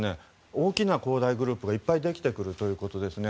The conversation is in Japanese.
大きな恒大グループがいっぱいできてくるということです。